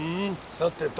さてと。